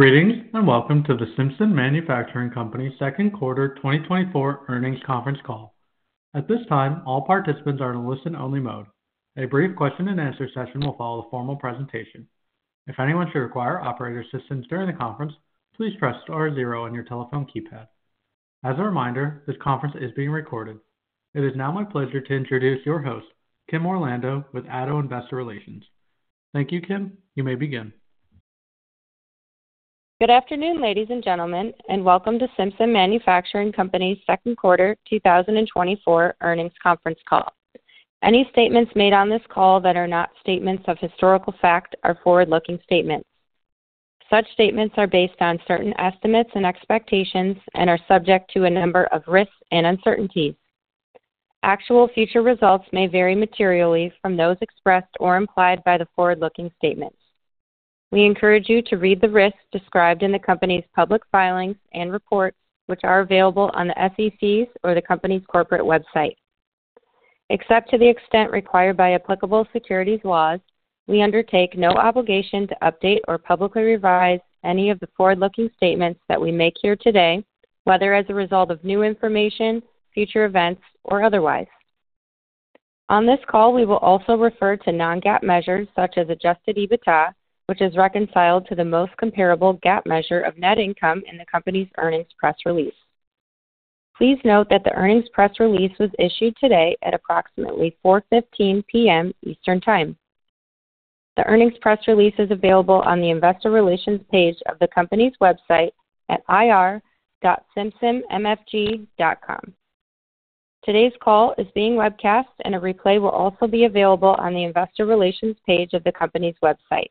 Greetings, and welcome to the Simpson Manufacturing Company Second Quarter 2024 Earnings Conference Call. At this time, all participants are in listen-only mode. A brief question-and-answer session will follow the formal presentation. If anyone should require operator assistance during the conference, please press star zero on your telephone keypad. As a reminder, this conference is being recorded. It is now my pleasure to introduce your host, Kim Orlando, with Addo Investor Relations. Thank you, Kim. You may begin. Good afternoon, ladies and gentlemen, and welcome to Simpson Manufacturing Company's Second Quarter 2024 Earnings Conference Call. Any statements made on this call that are not statements of historical fact are forward-looking statements. Such statements are based on certain estimates and expectations and are subject to a number of risks and uncertainties. Actual future results may vary materially from those expressed or implied by the forward-looking statements. We encourage you to read the risks described in the company's public filings and reports, which are available on the SEC's or the company's corporate website. Except to the extent required by applicable securities laws, we undertake no obligation to update or publicly revise any of the forward-looking statements that we make here today, whether as a result of new information, future events, or otherwise. On this call, we will also refer to non-GAAP measures such as adjusted EBITDA, which is reconciled to the most comparable GAAP measure of net income in the company's earnings press release. Please note that the earnings press release was issued today at approximately 4:15 P.M. Eastern Time. The earnings press release is available on the investor relations page of the company's website at ir.simpsonmfg.com. Today's call is being webcast, and a replay will also be available on the investor relations page of the company's website.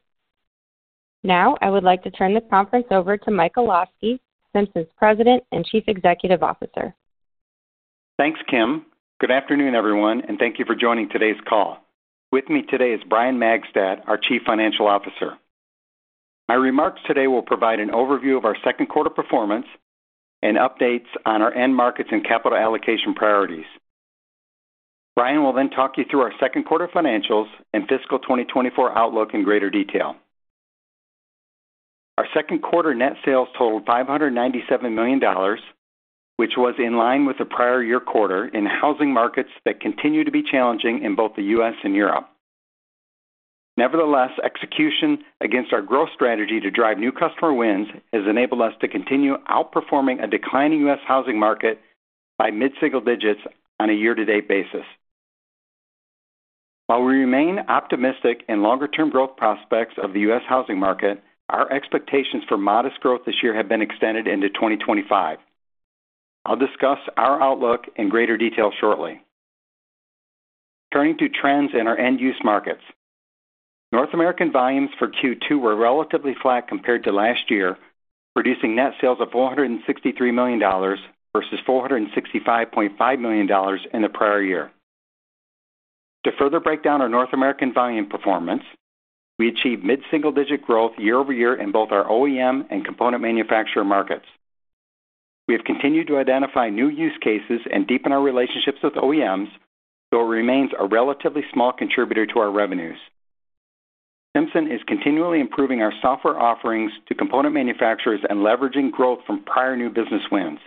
Now, I would like to turn the conference over to Mike Olosky, Simpson's President and Chief Executive Officer. Thanks, Kim. Good afternoon, everyone, and thank you for joining today's call. With me today is Brian Magstadt, our Chief Financial Officer. My remarks today will provide an overview of our second quarter performance and updates on our end markets and capital allocation priorities. Brian will then talk you through our second quarter financials and fiscal 2024 outlook in greater detail. Our second quarter net sales totaled $597 million, which was in line with the prior year quarter in housing markets that continue to be challenging in both the U.S. and Europe. Nevertheless, execution against our growth strategy to drive new customer wins has enabled us to continue outperforming a declining U.S. housing market by mid-single digits on a year-to-date basis. While we remain optimistic in longer-term growth prospects of the U.S. housing market, our expectations for modest growth this year have been extended into 2025. I'll discuss our outlook in greater detail shortly. Turning to trends in our end-use markets. North American volumes for Q2 were relatively flat compared to last year, producing net sales of $463 million versus $465.5 million in the prior year. To further break down our North American volume performance, we achieved mid-single-digit growth year-over-year in both our OEM and component manufacturer markets. We have continued to identify new use cases and deepen our relationships with OEMs, though it remains a relatively small contributor to our revenues. Simpson is continually improving our software offerings to component manufacturers and leveraging growth from prior new business wins.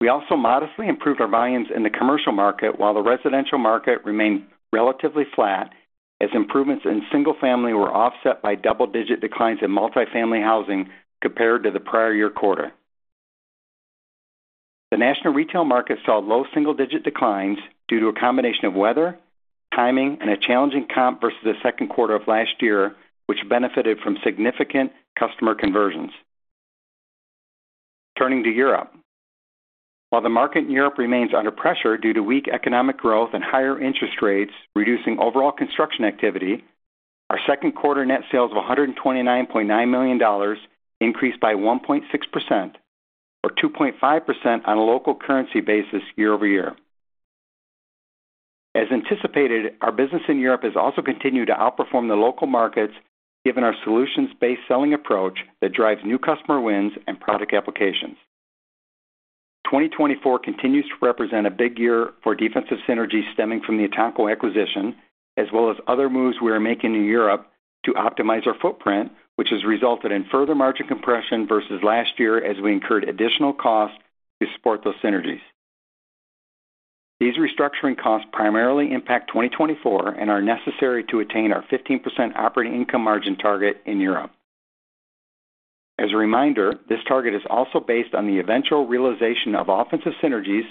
We also modestly improved our volumes in the commercial market, while the residential market remained relatively flat, as improvements in single-family were offset by double-digit declines in multifamily housing compared to the prior year quarter. The national retail market saw low single-digit declines due to a combination of weather, timing, and a challenging comp versus the second quarter of last year, which benefited from significant customer conversions. Turning to Europe. While the market in Europe remains under pressure due to weak economic growth and higher interest rates, reducing overall construction activity, our second quarter net sales of $129.9 million increased by 1.6%, or 2.5% on a local currency basis year-over-year. As anticipated, our business in Europe has also continued to outperform the local markets, given our solutions-based selling approach that drives new customer wins and product applications. 2024 continues to represent a big year for defensive synergies stemming from the ETANCO acquisition, as well as other moves we are making in Europe to optimize our footprint, which has resulted in further margin compression versus last year as we incurred additional costs to support those synergies. These restructuring costs primarily impact 2024 and are necessary to attain our 15% operating income margin target in Europe. As a reminder, this target is also based on the eventual realization of offensive synergies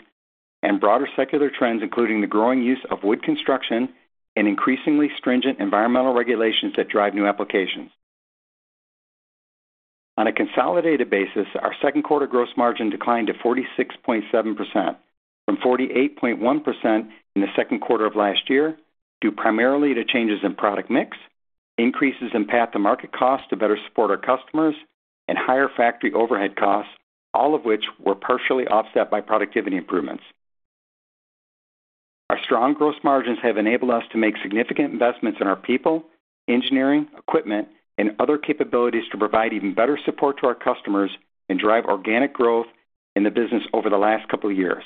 and broader secular trends, including the growing use of wood construction and increasingly stringent environmental regulations that drive new applications. On a consolidated basis, our second quarter gross margin declined to 46.7% from 48.1% in the second quarter of last year, due primarily to changes in product mix, increases in path to market costs to better support our customers, and higher factory overhead costs, all of which were partially offset by productivity improvements. Our strong gross margins have enabled us to make significant investments in our people, engineering, equipment, and other capabilities to provide even better support to our customers and drive organic growth in the business over the last couple of years.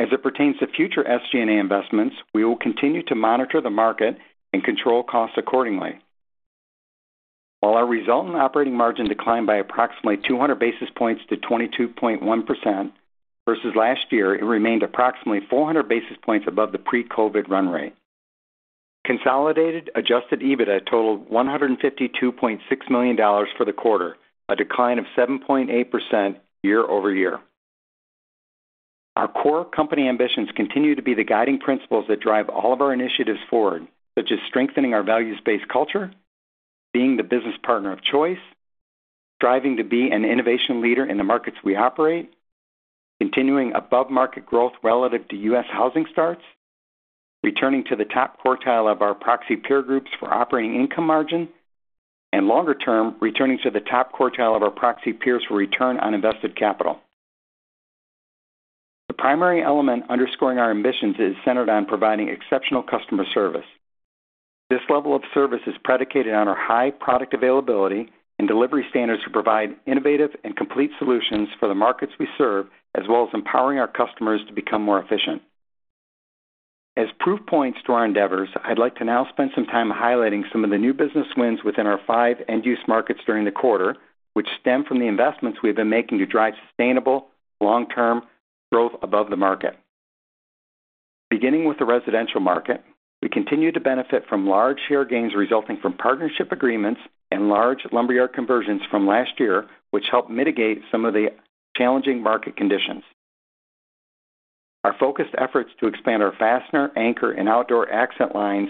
As it pertains to future SG&A investments, we will continue to monitor the market and control costs accordingly. While our resultant operating margin declined by approximately 200 basis points to 22.1% versus last year, it remained approximately 400 basis points above the pre-COVID run rate. Consolidated adjusted EBITDA totaled $152.6 million for the quarter, a decline of 7.8% year-over-year. Our core company ambitions continue to be the guiding principles that drive all of our initiatives forward, such as strengthening our values-based culture, being the business partner of choice, striving to be an innovation leader in the markets we operate, continuing above-market growth relative to U.S. housing starts, returning to the top quartile of our proxy peer groups for operating income margin, and longer term, returning to the top quartile of our proxy peers for return on invested capital. The primary element underscoring our ambitions is centered on providing exceptional customer service. This level of service is predicated on our high product availability and delivery standards to provide innovative and complete solutions for the markets we serve, as well as empowering our customers to become more efficient. As proof points to our endeavors, I'd like to now spend some time highlighting some of the new business wins within our five end-use markets during the quarter, which stem from the investments we've been making to drive sustainable, long-term growth above the market. Beginning with the residential market, we continue to benefit from large share gains resulting from partnership agreements and large lumberyard conversions from last year, which helped mitigate some of the challenging market conditions. Our focused efforts to expand our fastener, anchor, and Outdoor Accents lines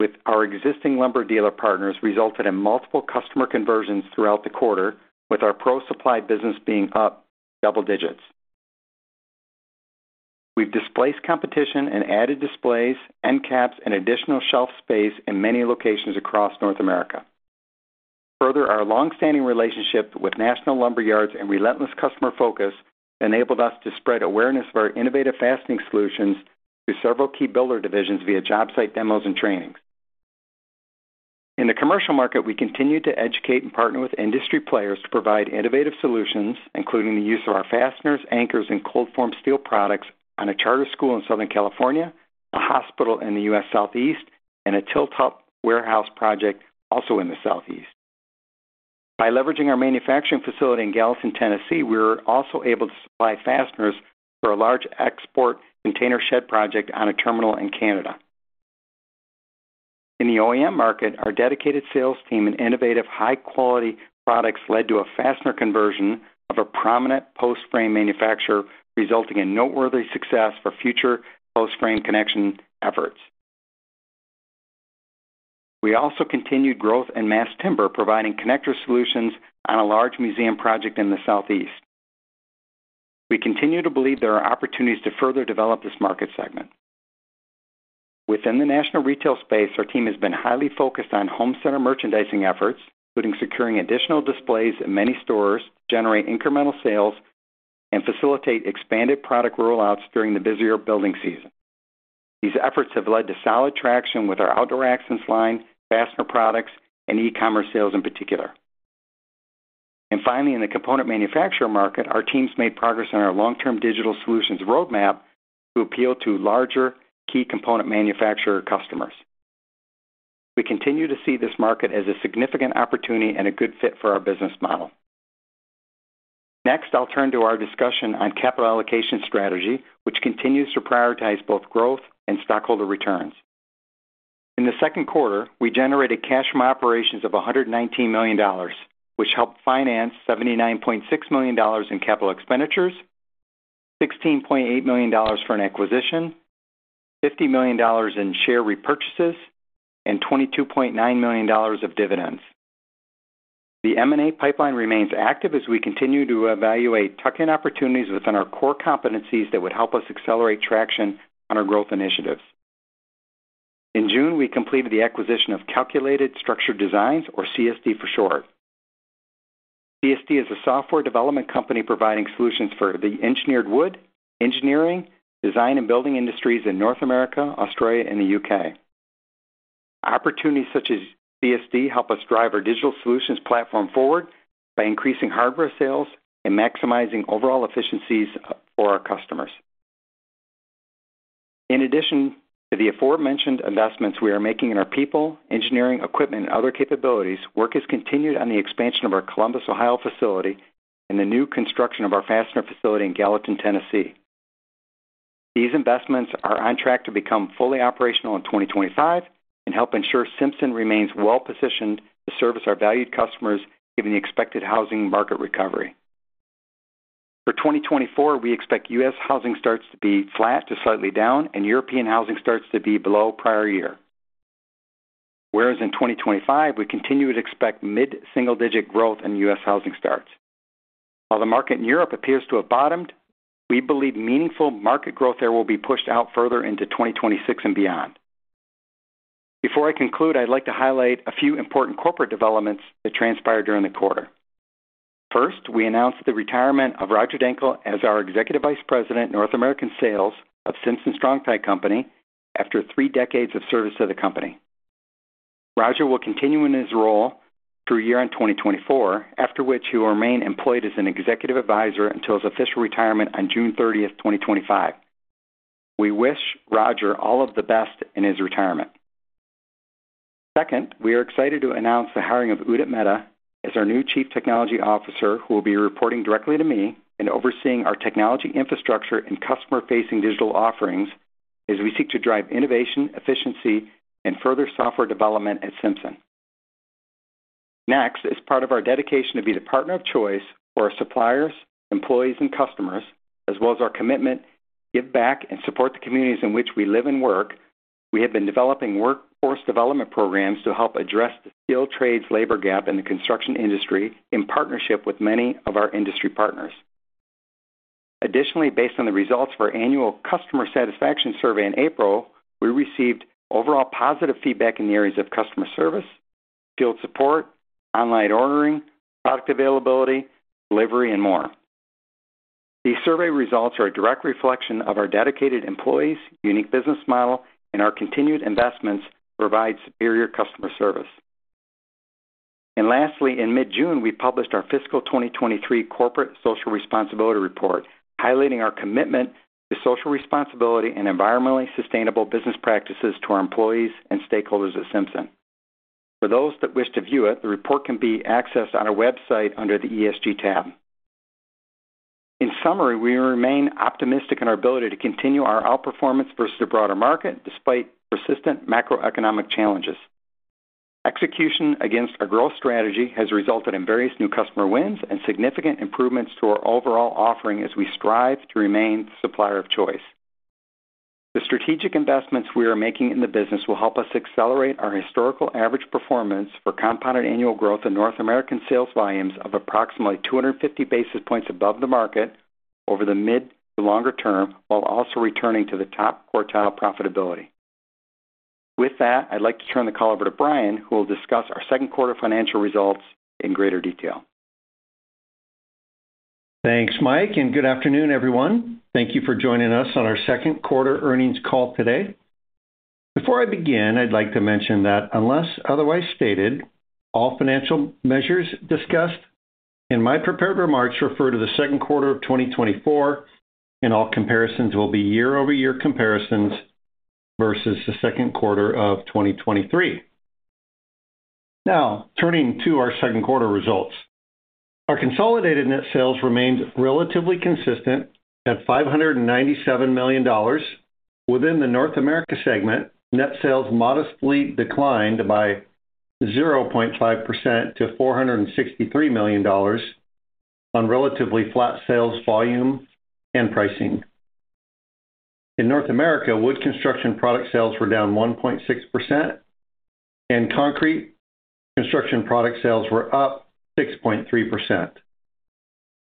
with our existing lumber dealer partners resulted in multiple customer conversions throughout the quarter, with our pro supply business being up double digits. We've displaced competition and added displays, end caps, and additional shelf space in many locations across North America. Further, our long-standing relationship with national lumberyards and relentless customer focus enabled us to spread awareness of our innovative fastening solutions through several key builder divisions via job site demos and trainings. In the commercial market, we continued to educate and partner with industry players to provide innovative solutions, including the use of our fasteners, anchors, and cold-formed steel products on a charter school in Southern California, a hospital in the U.S. Southeast, and a tilt-up warehouse project also in the Southeast. By leveraging our manufacturing facility in Gallatin, Tennessee, we were also able to supply fasteners for a large export container shed project on a terminal in Canada. In the OEM market, our dedicated sales team and innovative, high-quality products led to a fastener conversion of a prominent post-frame manufacturer, resulting in noteworthy success for future post-frame connection efforts. We also continued growth in mass timber, providing connector solutions on a large museum project in the Southeast. We continue to believe there are opportunities to further develop this market segment. Within the national retail space, our team has been highly focused on home center merchandising efforts, including securing additional displays in many stores to generate incremental sales and facilitate expanded product rollouts during the busier building season. These efforts have led to solid traction with our Outdoor Accents line, fastener products, and E-commerce sales in particular. And finally, in the component manufacturer market, our teams made progress on our long-term digital solutions roadmap to appeal to larger key component manufacturer customers. We continue to see this market as a significant opportunity and a good fit for our business model. Next, I'll turn to our discussion on capital allocation strategy, which continues to prioritize both growth and stockholder returns. In the second quarter, we generated cash from operations of $119 million, which helped finance $79.6 million in capital expenditures, $16.8 million for an acquisition, $50 million in share repurchases, and $22.9 million of dividends. The M&A pipeline remains active as we continue to evaluate tuck-in opportunities within our core competencies that would help us accelerate traction on our growth initiatives. In June, we completed the acquisition of Calculated Structured Designs, or CSD for short. CSD is a software development company providing solutions for the engineered wood, engineering, design, and building industries in North America, Australia, and the U.K. Opportunities such as CSD help us drive our digital solutions platform forward by increasing hardware sales and maximizing overall efficiencies for our customers. In addition to the aforementioned investments we are making in our people, engineering, equipment, and other capabilities, work has continued on the expansion of our Columbus, Ohio, facility and the new construction of our fastener facility in Gallatin, Tennessee. These investments are on track to become fully operational in 2025 and help ensure Simpson remains well-positioned to service our valued customers, given the expected housing market recovery. For 2024, we expect U.S. housing starts to be flat to slightly down, and European housing starts to be below prior year. Whereas in 2025, we continue to expect mid-single-digit growth in U.S. housing starts. While the market in Europe appears to have bottomed, we believe meaningful market growth there will be pushed out further into 2026 and beyond. Before I conclude, I'd like to highlight a few important corporate developments that transpired during the quarter. First, we announced the retirement of Roger Dankel as our Executive Vice President, North American Sales of Simpson Strong-Tie Company after three decades of service to the company. Roger will continue in his role through year-end, 2024, after which he will remain employed as an executive advisor until his official retirement on June 30th, 2025. We wish Roger all of the best in his retirement. Second, we are excited to announce the hiring of Udit Mehta as our new Chief Technology Officer, who will be reporting directly to me and overseeing our technology infrastructure and customer-facing digital offerings as we seek to drive innovation, efficiency, and further software development at Simpson. Next, as part of our dedication to be the partner of choice for our suppliers, employees, and customers, as well as our commitment to give back and support the communities in which we live and work, we have been developing workforce development programs to help address the skilled trades labor gap in the construction industry in partnership with many of our industry partners. Additionally, based on the results of our annual customer satisfaction survey in April, we received overall positive feedback in the areas of customer service, field support, online ordering, product availability, delivery, and more. These survey results are a direct reflection of our dedicated employees, unique business model, and our continued investments to provide superior customer service. And lastly, in mid-June, we published our fiscal 2023 corporate social responsibility report, highlighting our commitment to social responsibility and environmentally sustainable business practices to our employees and stakeholders at Simpson. For those that wish to view it, the report can be accessed on our website under the ESG tab. In summary, we remain optimistic in our ability to continue our outperformance versus the broader market, despite persistent macroeconomic challenges. Execution against our growth strategy has resulted in various new customer wins and significant improvements to our overall offering as we strive to remain supplier of choice. The strategic investments we are making in the business will help us accelerate our historical average performance for compounded annual growth in North American sales volumes of approximately 250 basis points above the market over the mid to longer term, while also returning to the top quartile profitability. With that, I'd like to turn the call over to Brian, who will discuss our second quarter financial results in greater detail. Thanks, Mike, and good afternoon, everyone. Thank you for joining us on our second quarter earnings call today. Before I begin, I'd like to mention that unless otherwise stated, all financial measures discussed in my prepared remarks refer to the second quarter of 2024, and all comparisons will be year-over-year comparisons versus the second quarter of 2023. Now, turning to our second quarter results. Our consolidated net sales remained relatively consistent at $597 million. Within the North America segment, net sales modestly declined by 0.5% to $463 million on relatively flat sales volume and pricing. In North America, wood construction product sales were down 1.6%, and concrete construction product sales were up 6.3%.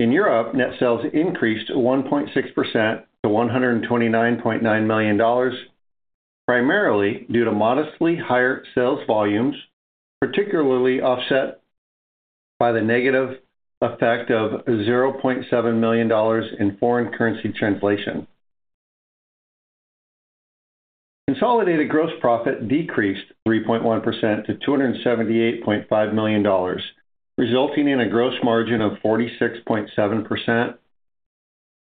In Europe, net sales increased 1.6% to $129.9 million, primarily due to modestly higher sales volumes, particularly offset by the negative effect of $0.7 million in foreign currency translation. Consolidated gross profit decreased 3.1% to $278.5 million, resulting in a gross margin of 46.7%,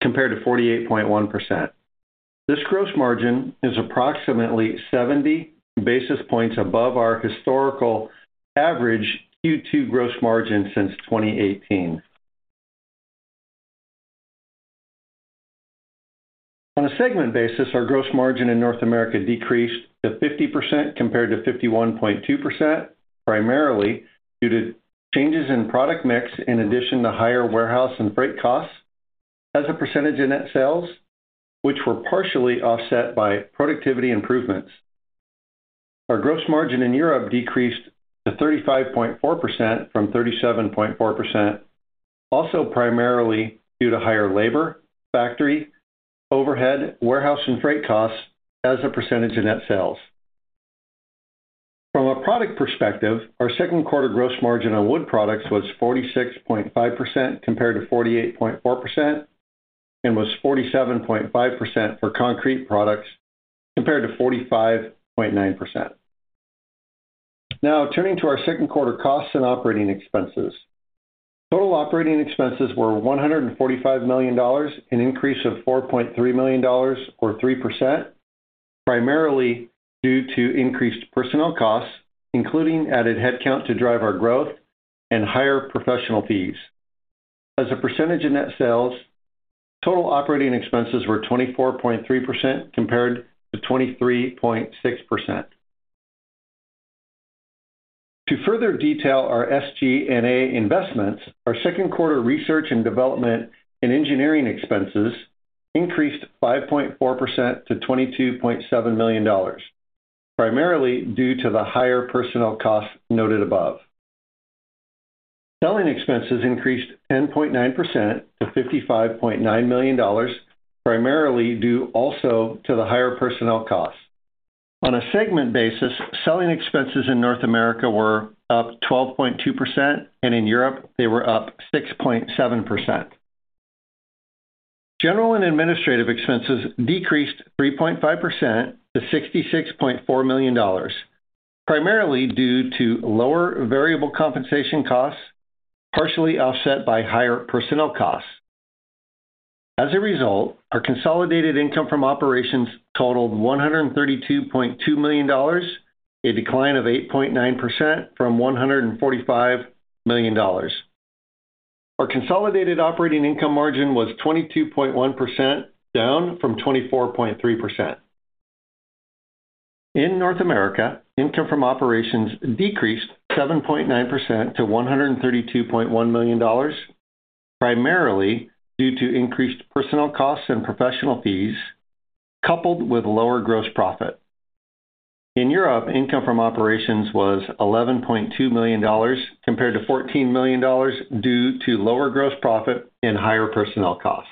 compared to 48.1%. This gross margin is approximately 70 basis points above our historical average Q2 gross margin since 2018. On a segment basis, our gross margin in North America decreased to 50%, compared to 51.2%, primarily due to changes in product mix, in addition to higher warehouse and freight costs as a percentage of net sales, which were partially offset by productivity improvements. Our gross margin in Europe decreased to 35.4% from 37.4%, also primarily due to higher labor, factory, overhead, warehouse, and freight costs as a percentage of net sales. From a product perspective, our second quarter gross margin on wood products was 46.5%, compared to 48.4%, and was 47.5% for concrete products, compared to 45.9%. Now, turning to our second quarter costs and operating expenses. Total operating expenses were $145 million, an increase of $4.3 million or 3%, primarily due to increased personnel costs, including added headcount to drive our growth and higher professional fees. As a percentage of net sales, total operating expenses were 24.3% compared to 23.6%. To further detail our SG&A investments, our second quarter research and development and engineering expenses increased 5.4% to $22.7 million, primarily due to the higher personnel costs noted above. Selling expenses increased 10.9% to $55.9 million, primarily due also to the higher personnel costs. On a segment basis, selling expenses in North America were up 12.2%, and in Europe, they were up 6.7%. General and administrative expenses decreased 3.5% to $66.4 million, primarily due to lower variable compensation costs, partially offset by higher personnel costs. As a result, our consolidated income from operations totaled $132.2 million, a decline of 8.9% from $145 million. Our consolidated operating income margin was 22.1%, down from 24.3%. In North America, income from operations decreased 7.9% to $132.1 million, primarily due to increased personnel costs and professional fees, coupled with lower gross profit. In Europe, income from operations was $11.2 million, compared to $14 million, due to lower gross profit and higher personnel costs.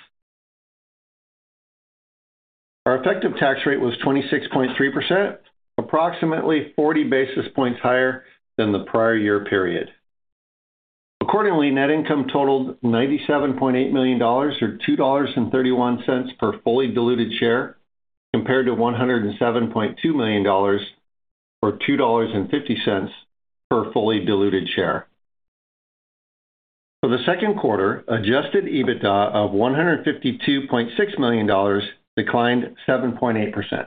Our effective tax rate was 26.3%, approximately 40 basis points higher than the prior year period. Accordingly, net income totaled $97.8 million or $2.31 per fully diluted share, compared to $107.2 million, or $2.50 per fully diluted share. For the second quarter, adjusted EBITDA of $152.6 million declined 7.8%.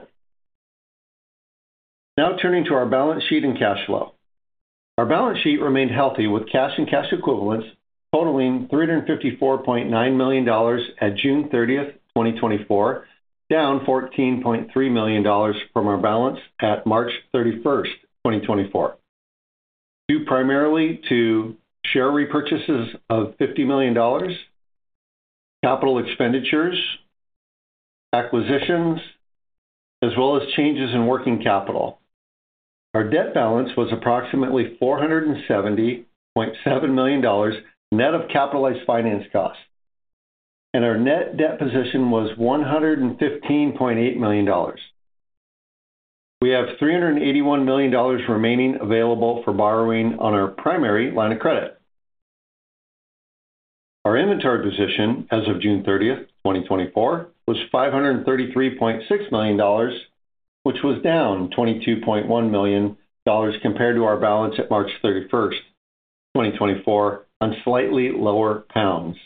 Now turning to our balance sheet and cash flow. Our balance sheet remained healthy, with cash and cash equivalents totaling $354.9 million at June 30th, 2024, down $14.3 million from our balance at March 31st, 2024, due primarily to share repurchases of $50 million, capital expenditures, acquisitions, as well as changes in working capital. Our debt balance was approximately $470.7 million, net of capitalized finance costs, and our net debt position was $115.8 million. We have $381 million remaining available for borrowing on our primary line of credit. Our inventory position as of June 30th, 2024, was $533.6 million, which was down $22.1 million compared to our balance at March 31st, 2024, on slightly lower pounds.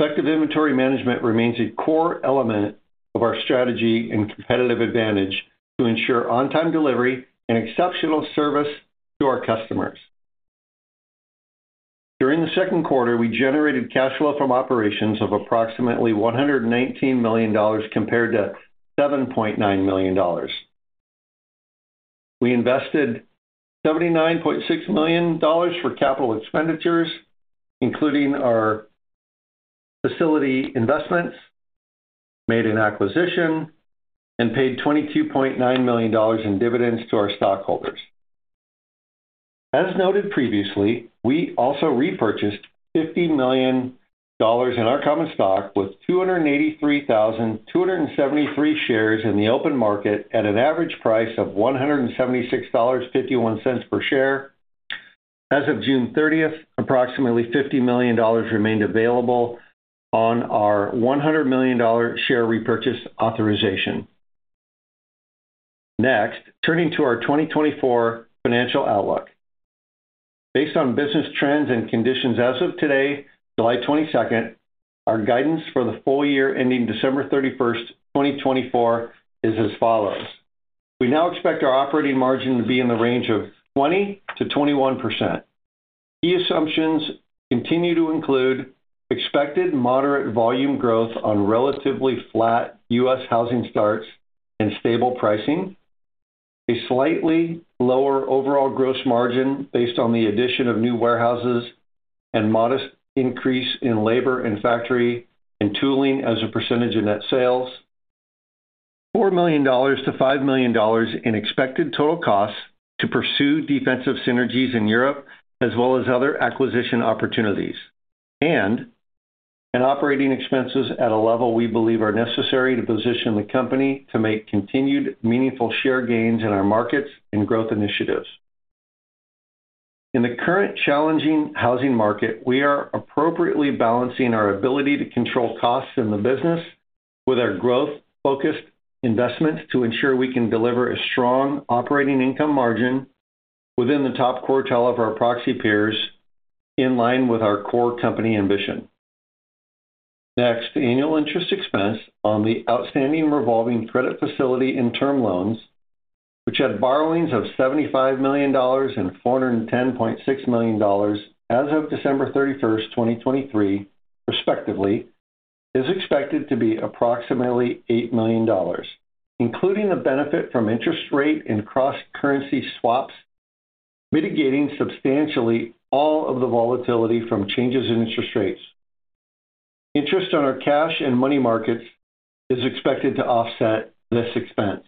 Effective inventory management remains a core element of our strategy and competitive advantage to ensure on-time delivery and exceptional service to our customers. During the second quarter, we generated cash flow from operations of approximately $119 million, compared to $7.9 million. We invested $79.6 million for capital expenditures, including our facility investments, made an acquisition, and paid $22.9 million in dividends to our stockholders. As noted previously, we also repurchased $50 million in our common stock, with 283,273 shares in the open market at an average price of $176.51 per share. As of June 30th, approximately $50 million remained available on our $100 million share repurchase authorization. Next, turning to our 2024 financial outlook. Based on business trends and conditions as of today, July 22nd, our guidance for the full year ending December 31st, 2024, is as follows: We now expect our operating margin to be in the range of 20%-21%. Key assumptions continue to include expected moderate volume growth on relatively flat U.S. housing starts and stable pricing, a slightly lower overall gross margin based on the addition of new warehouses, and modest increase in labor and factory and tooling as a percentage of net sales. $4 million-$5 million in expected total costs to pursue defensive synergies in Europe, as well as other acquisition opportunities, and operating expenses at a level we believe are necessary to position the company to make continued meaningful share gains in our markets and growth initiatives. In the current challenging housing market, we are appropriately balancing our ability to control costs in the business with our growth-focused investment to ensure we can deliver a strong operating income margin within the top quartile of our proxy peers, in line with our core company ambition. Next, annual interest expense on the outstanding revolving credit facility and term loans, which had borrowings of $75 million and $410.6 million as of December 31st, 2023, respectively, is expected to be approximately $8 million, including the benefit from interest rate and cross-currency swaps, mitigating substantially all of the volatility from changes in interest rates. Interest on our cash and money markets is expected to offset this expense.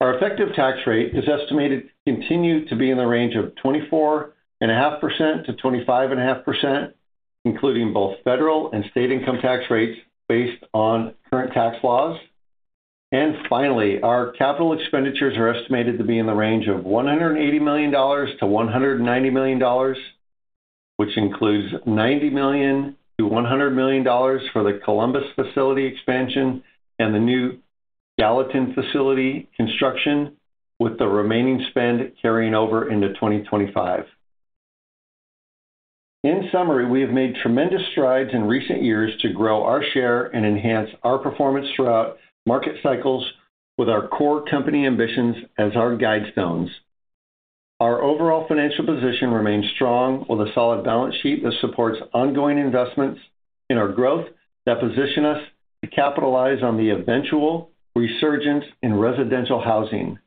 Our effective tax rate is estimated to continue to be in the range of 24.5%-25.5%, including both federal and state income tax rates based on current tax laws. And finally, our capital expenditures are estimated to be in the range of $180 million-$190 million, which includes $90 million-$100 million for the Columbus facility expansion and the new Gallatin facility construction, with the remaining spend carrying over into 2025. In summary, we have made tremendous strides in recent years to grow our share and enhance our performance throughout market cycles with our core company ambitions as our guidestones. Our overall financial position remains strong, with a solid balance sheet that supports ongoing investments in our growth, that position us to capitalize on the eventual resurgence in residential housing.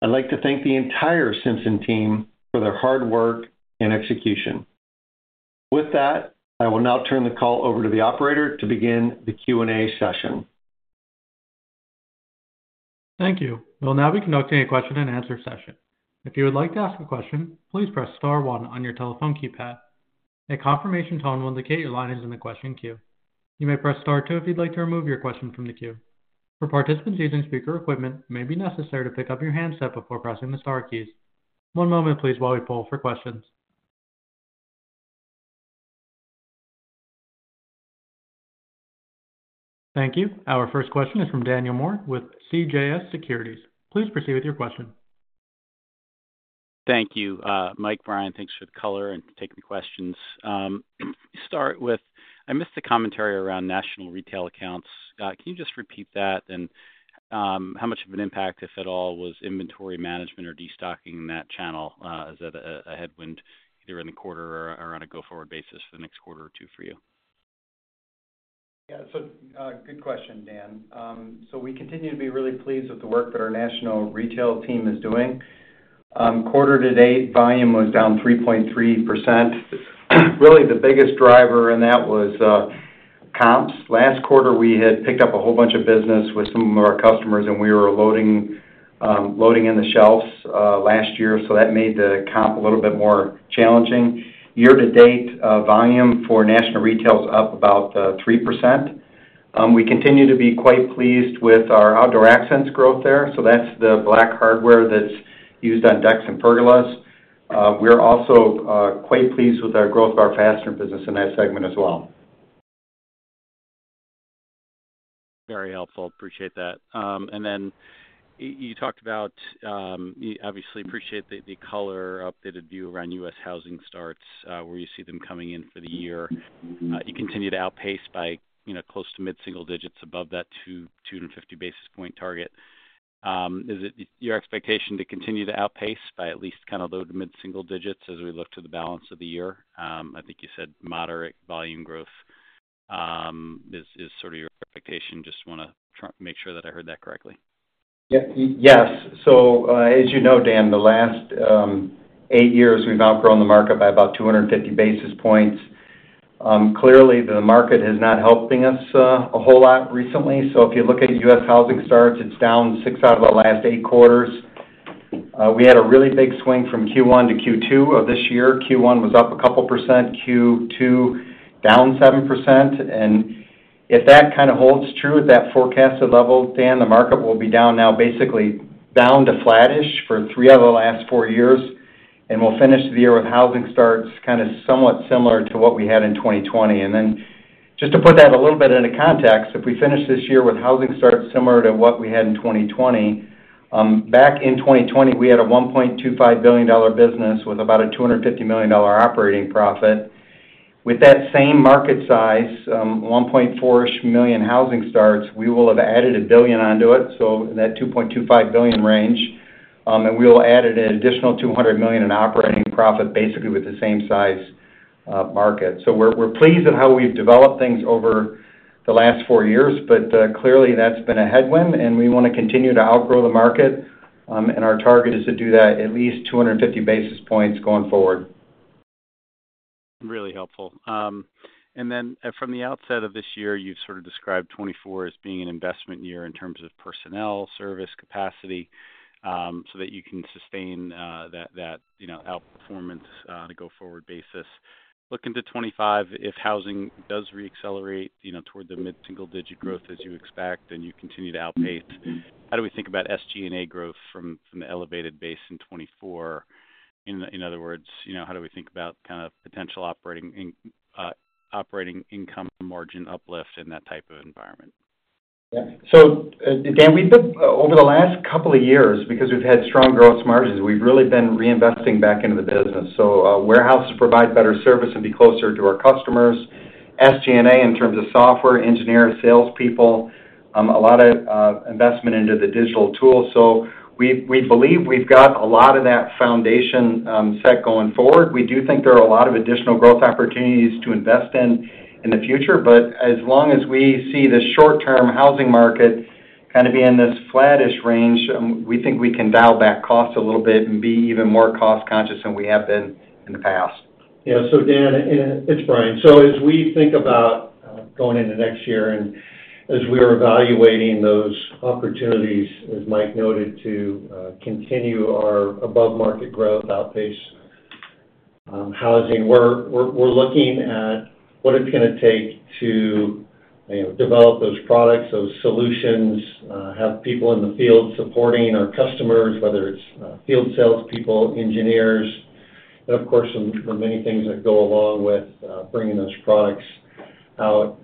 I'd like to thank the entire Simpson team for their hard work and execution. With that, I will now turn the call over to the operator to begin the Q&A session. Thank you. We'll now be conducting a question-and-answer session. If you would like to ask a question, please press star one on your telephone keypad. A confirmation tone will indicate your line is in the question queue. You may press star two if you'd like to remove your question from the queue. For participants using speaker equipment, it may be necessary to pick up your handset before pressing the star keys. One moment, please, while we pull for questions. Thank you. Our first question is from Daniel Moore with CJS Securities. Please proceed with your question. Thank you, Mike. Brian, thanks for the color and taking the questions. Start with, I missed the commentary around national retail accounts. Can you just repeat that? And, how much of an impact, if at all, was inventory management or destocking in that channel? Is that a headwind either in the quarter or on a go-forward basis for the next quarter or two for you? Yeah. So, good question, Dan. So we continue to be really pleased with the work that our national retail team is doing. Quarter to date, volume was down 3.3%. Really, the biggest driver in that was comps. Last quarter, we had picked up a whole bunch of business with some of our customers, and we were loading, loading in the shelves last year, so that made the comp a little bit more challenging. Year to date, volume for national retail is up about 3%. We continue to be quite pleased with our Outdoor Accents growth there, so that's the black hardware that's used on decks and pergolas. We're also quite pleased with our growth of our fastener business in that segment as well. Very helpful. Appreciate that. And then you talked about, obviously, appreciate the, the color updated view around U.S. housing starts, where you see them coming in for the year. You continue to outpace by, you know, close to mid-single digits above that 250 basis point target. Is it your expectation to continue to outpace by at least kind of low to mid-single digits as we look to the balance of the year? I think you said moderate volume growth, is sort of your expectation. Just wanna make sure that I heard that correctly. Yeah. Yes. So, as you know, Dan, the last eight years, we've outgrown the market by about 250 basis points. Clearly, the market has not helping us a whole lot recently. So if you look at U.S. housing starts, it's down six out of the last eight quarters. We had a really big swing from Q1 to Q2 of this year. Q1 was up a couple%, Q2 down 7%. And if that kind of holds true at that forecasted level, Dan, the market will be down now, basically down to flattish for three out of the last four years, and we'll finish the year with housing starts, kind of somewhat similar to what we had in 2020. Just to put that a little bit into context, if we finish this year with housing starts similar to what we had in 2020, back in 2020, we had a $1.25 billion business with about a $250 million operating profit. With that same market size, 1.4-ish million housing starts, we will have added $1 billion onto it, so that $2.25 billion range, and we'll add an additional $200 million in operating profit, basically with the same size market. So we're pleased at how we've developed things over the last four years, but clearly that's been a headwind, and we wanna continue to outgrow the market, and our target is to do that at least 250 basis points going forward. Really helpful. And then from the outset of this year, you've sort of described 2024 as being an investment year in terms of personnel, service, capacity, so that you can sustain that you know outperformance on a go-forward basis. Looking to 2025, if housing does re-accelerate, you know, toward the mid-single-digit growth as you expect, and you continue to outpace, how do we think about SG&A growth from the elevated base in 2024? In other words, you know, how do we think about kind of potential operating income margin uplift in that type of environment? Yeah. So, Dan, we've been over the last couple of years, because we've had strong growth margins, we've really been reinvesting back into the business. So, warehouses provide better service and be closer to our customers. SG&A, in terms of software, engineering, salespeople, a lot of investment into the digital tools. So we believe we've got a lot of that foundation set going forward. We do think there are a lot of additional growth opportunities to invest in in the future, but as long as we see the short-term housing market kind of be in this flattish range, we think we can dial back costs a little bit and be even more cost-conscious than we have been in the past. Yeah. So Dan, it's Brian. So as we think about going into next year and as we are evaluating those opportunities, as Mike noted, to continue our above-market growth outpace housing. We're looking at what it's gonna take to, you know, develop those products, those solutions, have people in the field supporting our customers, whether it's field salespeople, engineers, and of course, some of the many things that go along with bringing those products out.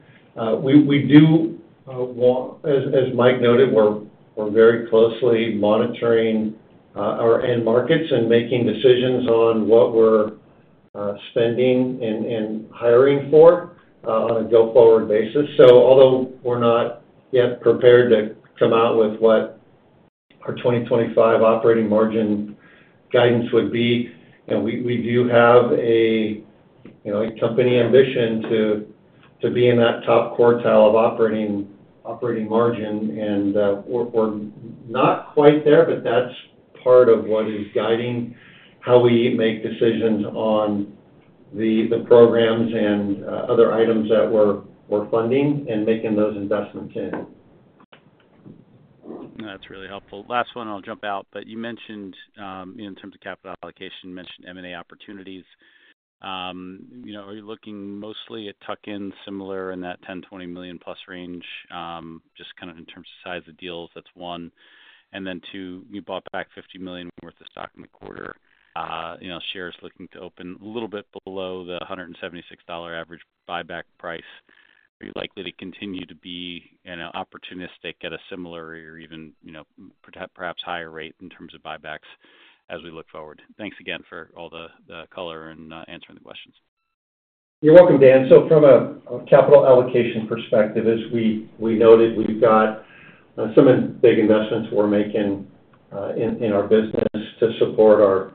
We do want, as Mike noted, we're very closely monitoring our end markets and making decisions on what we're spending and hiring for on a go-forward basis. So although we're not yet prepared to come out with what our 2025 operating margin guidance would be, and we do have a, you know, a company ambition to be in that top quartile of operating margin. And we're not quite there, but that's part of what is guiding how we make decisions on the programs and other items that we're funding and making those investments in. That's really helpful. Last one, and I'll jump out, but you mentioned, in terms of capital allocation, you mentioned M&A opportunities. You know, are you looking mostly at tuck-in, similar in that $10 million-$20 million+ range? Just kind of in terms of size of deals, that's one. And then two, you bought back $50 million worth of stock in the quarter. You know, shares looking to open a little bit below the $176 average buyback price. Are you likely to continue to be, you know, opportunistic at a similar or even, you know, perhaps higher rate in terms of buybacks as we look forward? Thanks again for all the color and answering the questions. You're welcome, Dan. So from a capital allocation perspective, as we noted, we've got some big investments we're making in our business to support our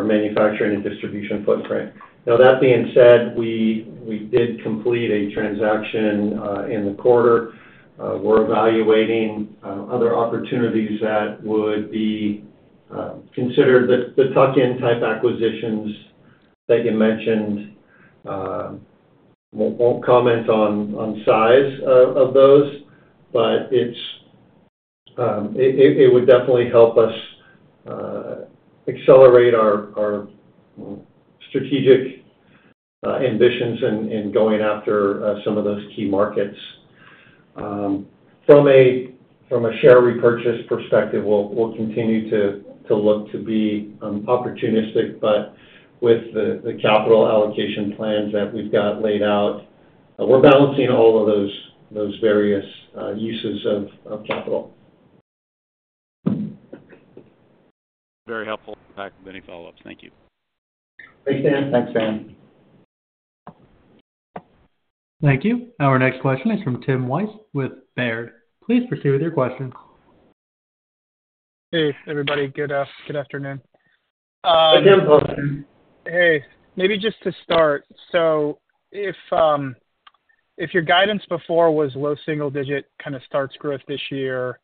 manufacturing and distribution footprint. Now, that being said, we did complete a transaction in the quarter. We're evaluating other opportunities that would be considered the tuck-in type acquisitions that you mentioned. Won't comment on size of those, but it would definitely help us accelerate our strategic ambitions in going after some of those key markets. From a share repurchase perspective, we'll continue to look to be opportunistic, but with the capital allocation plans that we've got laid out, we're balancing all of those various uses of capital. Very helpful. Back with any follow-ups. Thank you. Thanks, Dan. Thanks, Dan. Thank you. Our next question is from Tim Wojs with Baird. Please proceed with your question. Hey, everybody. Good afternoon. Hey, Tim. Hey, maybe just to start. So if your guidance before was low single digit kind of sales growth this year,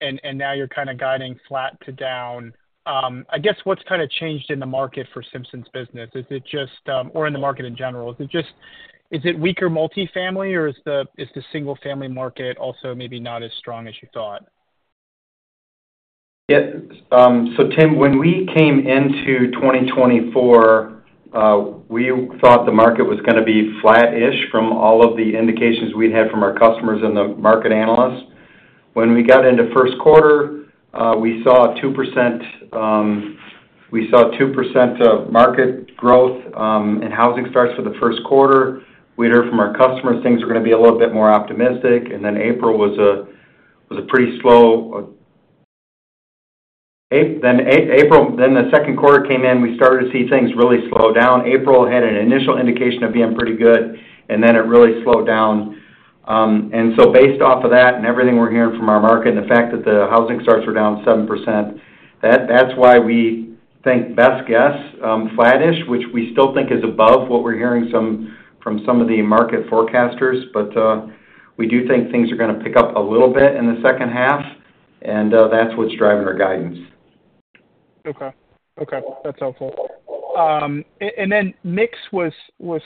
and now you're kind of guiding flat to down, I guess, what's kind of changed in the market for Simpson's business? Is it just weaker multifamily housing, or is the single-family housing market also maybe not as strong as you thought? Yeah. So Tim, when we came into 2024, we thought the market was gonna be flat-ish from all of the indications we'd had from our customers and the market analysts. When we got into first quarter, we saw 2%, we saw 2% of market growth, and housing starts for the first quarter. We'd heard from our customers, things were gonna be a little bit more optimistic, and then April was a pretty slow April, then the second quarter came in, we started to see things really slow down. April had an initial indication of being pretty good, and then it really slowed down. And so based off of that and everything we're hearing from our market and the fact that the housing starts were down 7%, that's why we think best guess, flat-ish, which we still think is above what we're hearing from some of the market forecasters. But we do think things are gonna pick up a little bit in the second half, and that's what's driving our guidance. Okay. Okay, that's helpful. And then mix was—there's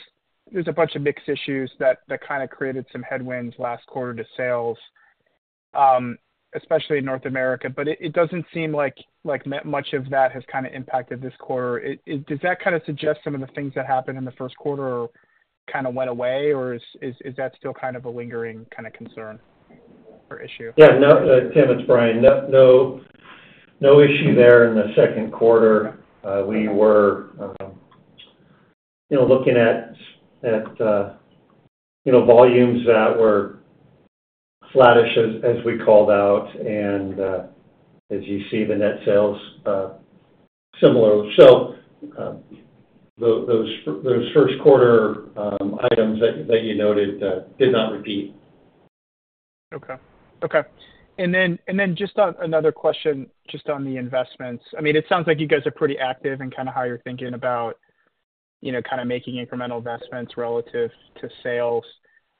a bunch of mix issues that kind of created some headwinds last quarter to sales, especially in North America, but it doesn't seem like much of that has kind of impacted this quarter. It—does that kind of suggest some of the things that happened in the first quarter or kind of went away, or is that still kind of a lingering kind of concern or issue? Yeah. No, Tim, it's Brian. No, no, no issue there in the second quarter. We were, you know, looking at volumes that were flat-ish, as we called out, and as you see, the net sales similar. So, those first quarter items that you noted did not repeat. Okay. Okay. And then just on another question, just on the investments. I mean, it sounds like you guys are pretty active in kind of how you're thinking about, you know, kind of making incremental investments relative to sales.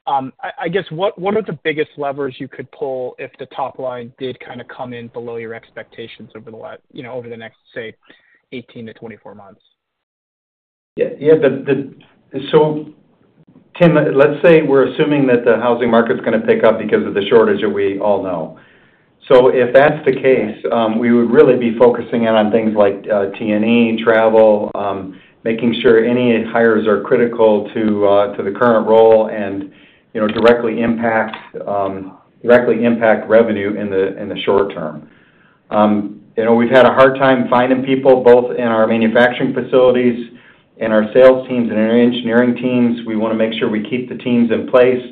I guess, what are the biggest levers you could pull if the top line did kind of come in below your expectations over the last, you know, over the next, say, 18-24 months? Yeah, yeah. Tim, let's say we're assuming that the housing market's gonna pick up because of the shortage that we all know. So if that's the case, we would really be focusing in on things like T&E, travel, making sure any hires are critical to the current role and, you know, directly impact revenue in the short term. You know, we've had a hard time finding people, both in our manufacturing facilities, in our sales teams, and in our engineering teams. We wanna make sure we keep the teams in place,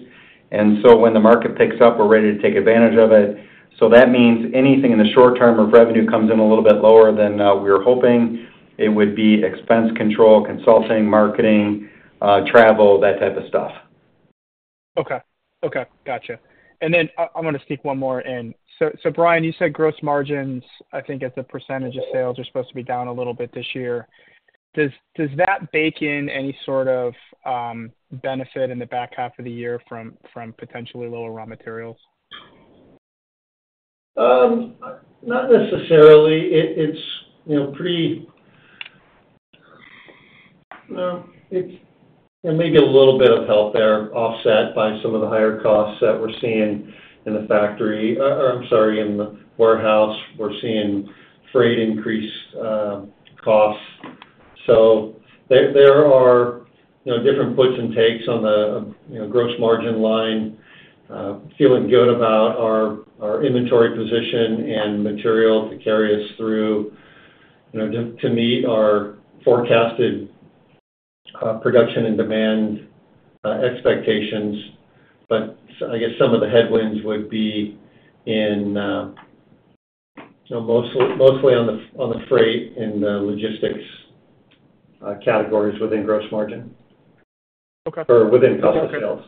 and so when the market picks up, we're ready to take advantage of it. So that means anything in the short term, if revenue comes in a little bit lower than we were hoping, it would be expense control, consulting, marketing, travel, that type of stuff. Okay. Okay, gotcha. And then I wanna sneak one more in. So, Brian, you said gross margins, I think as a percentage of sales, are supposed to be down a little bit this year. Does that bake in any sort of benefit in the back half of the year from potentially lower raw materials? Not necessarily. You know, pretty. Well, there may be a little bit of help there, offset by some of the higher costs that we're seeing in the factory, or I'm sorry, in the warehouse. We're seeing freight increase costs. So there are, you know, different puts and takes on the, you know, gross margin line. Feeling good about our our inventory position and material to carry us through, you know, to meet our forecasted production and demand expectations. I guess some of the headwinds would be in, you know, mostly on the freight and logistics categories within gross margin. Okay. Or within cost of sales.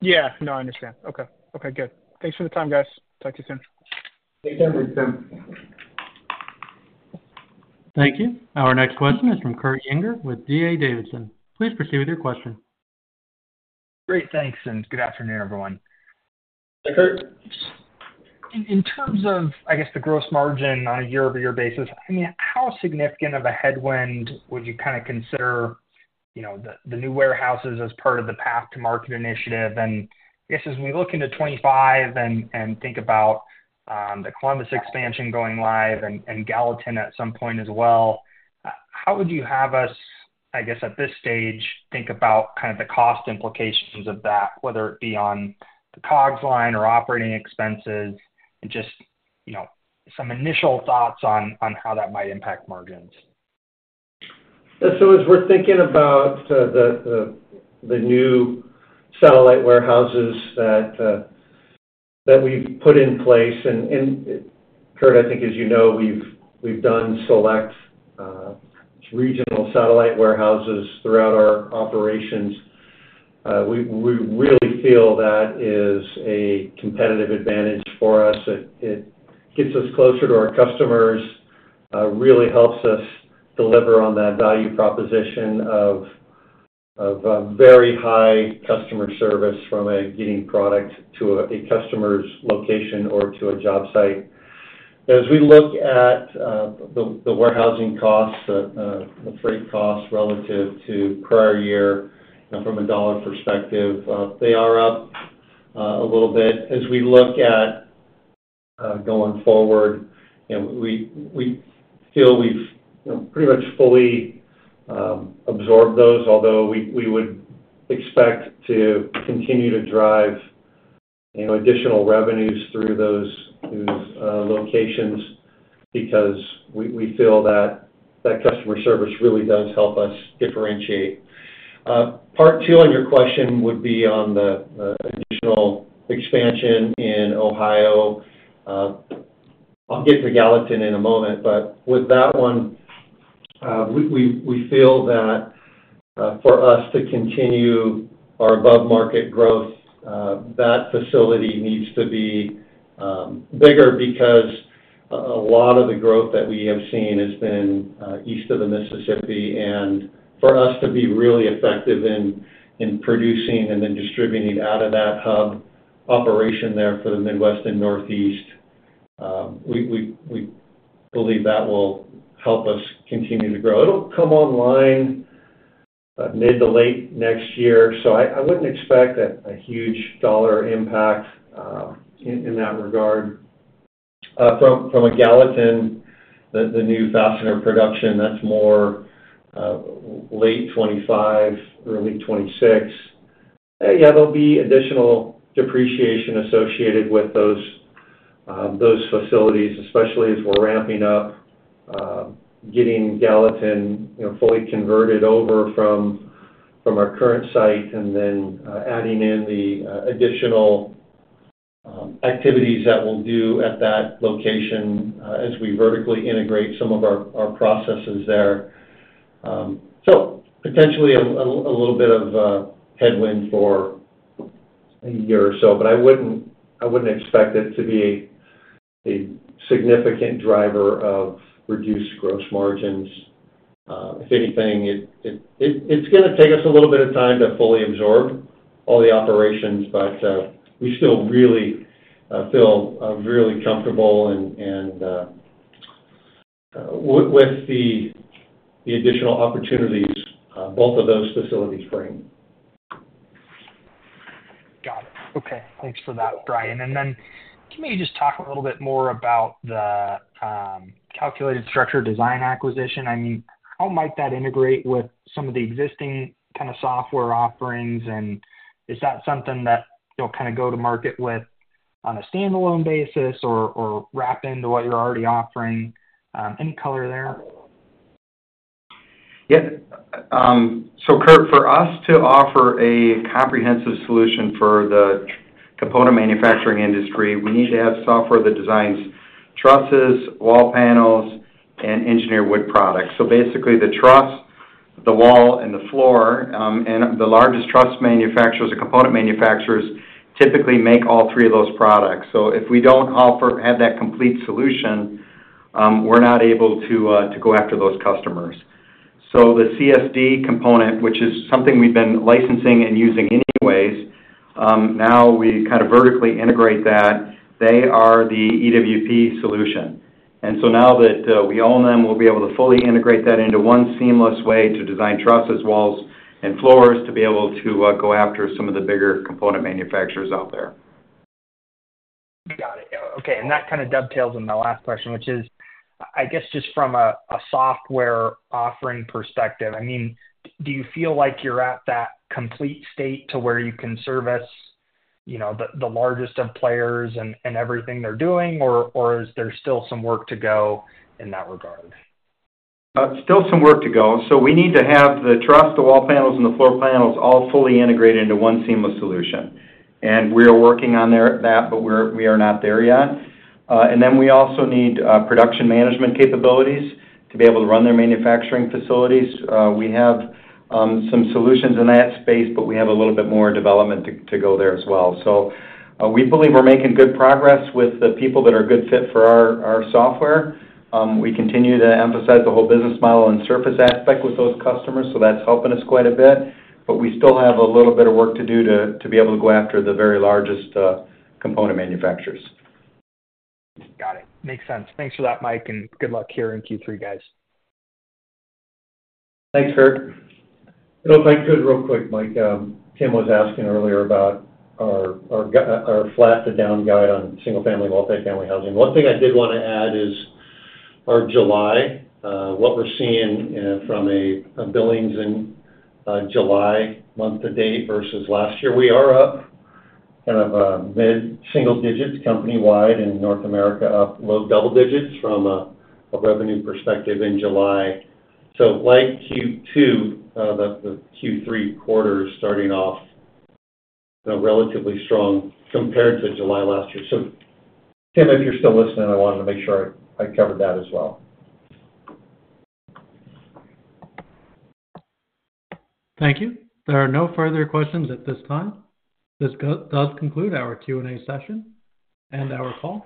Yeah. No, I understand. Okay. Okay, good. Thanks for the time, guys. Talk to you soon. Thanks, Tim. Thanks, Tim. Thank you. Our next question is from Kurt Yinger with D.A. Davidson. Please proceed with your question. Great. Thanks, and good afternoon, everyone. Hi, Kurt. In terms of, I guess, the gross margin on a year-over-year basis, I mean, how significant of a headwind would you kind of consider, you know, the, the new warehouses as part of the path to market initiative? And I guess, as we look into 25 and, and think about, the Columbus expansion going live and, and Gallatin at some point as well, how would you have us, I guess, at this stage, think about kind of the cost implications of that, whether it be on the COGS line or operating expenses, and just, you know, some initial thoughts on, on how that might impact margins? Yeah. So as we're thinking about the new satellite warehouses that we've put in place, and, Kurt, I think as you know, we've done select regional satellite warehouses throughout our operations. We really feel that is a competitive advantage for us. It gets us closer to our customers, really helps us deliver on that value proposition of very high customer service from a getting product to a customer's location or to a job site. As we look at the warehousing costs, the freight costs relative to prior year, you know, from a dollar perspective, they are up a little bit. As we look at going forward, you know, we, we feel we've, you know, pretty much fully absorbed those, although we, we would expect to continue to drive, you know, additional revenues through those, those locations because we, we feel that, that customer service really does help us differentiate. Part two on your question would be on the additional expansion in Ohio. I'll get to Gallatin in a moment, but with that one, we feel that for us to continue our above-market growth, that facility needs to be bigger because a lot of the growth that we have seen has been east of the Mississippi, and for us to be really effective in producing and then distributing out of that hub operation there for the Midwest and Northeast, we believe that will help us continue to grow. It'll come online mid to late next year, so I wouldn't expect a huge dollar impact in that regard. From a Gallatin, the new fastener production, that's more late 2025, early 2026. Yeah, there'll be additional depreciation associated with those facilities, especially as we're ramping up, getting Gallatin, you know, fully converted over from our current site, and then, adding in the additional activities that we'll do at that location, as we vertically integrate some of our processes there. So potentially a little bit of a headwind for a year or so, but I wouldn't expect it to be a significant driver of reduced gross margins. If anything, it's gonna take us a little bit of time to fully absorb all the operations, but we still really feel really comfortable and with the additional opportunities both of those facilities bring. Got it. Okay. Thanks for that, Brian. And then can you just talk a little bit more about the Calculated Structured Designs acquisition? I mean, how might that integrate with some of the existing kind of software offerings, and is that something that you'll kind of go to market with on a standalone basis or, or wrap into what you're already offering? Any color there? Yeah. So Kurt, for us to offer a comprehensive solution for the component manufacturing industry, we need to have software that designs trusses, wall panels, and engineered wood products. So basically, the truss, the wall, and the floor, and the largest truss manufacturers or component manufacturers typically make all three of those products. So if we don't have that complete solution, we're not able to to go after those customers. So the CSD component, which is something we've been licensing and using anyways, now we kind of vertically integrate that. They are the EWP solution. And so now that we own them, we'll be able to fully integrate that into one seamless way to design trusses, walls, and floors, to be able to go after some of the bigger component manufacturers out there. Got it. Okay, and that kind of dovetails on my last question, which is, I guess, just from a software offering perspective, I mean, do you feel like you're at that complete state to where you can service, you know, the largest of players and everything they're doing, or is there still some work to go in that regard? Still some work to go. So we need to have the truss, the wall panels, and the floor panels all fully integrated into one seamless solution, and we are working on that, but we're not there yet. And then we also need production management capabilities to be able to run their manufacturing facilities. We have some solutions in that space, but we have a little bit more development to go there as well. So we believe we're making good progress with the people that are a good fit for our software. We continue to emphasize the whole business model and service aspect with those customers, so that's helping us quite a bit, but we still have a little bit of work to do to be able to go after the very largest component manufacturers. Got it. Makes sense. Thanks for that, Mike, and good luck here in Q3, guys. Thanks, Kurt. If I could, real quick, Mike, Tim was asking earlier about our flat to down guide on single-family, multifamily housing. One thing I did wanna add is our July, what we're seeing, from a billings in July month to date versus last year, we are up kind of mid-single digits company-wide in North America, up low double digits from a revenue perspective in July. So like Q2, the Q3 quarter is starting off, you know, relatively strong compared to July last year. So Tim, if you're still listening, I wanted to make sure I covered that as well. Thank you. There are no further questions at this time. This concludes our Q&A session and our call.